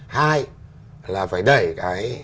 hai là phải đẩy cái